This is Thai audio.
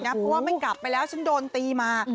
เพราะว่าไม่กลับไปแล้วฉันโดนตีมา